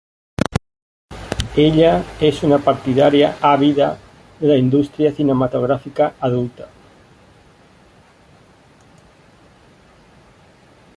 Ella es una partidaria ávida de la industria cinematográfica adulta.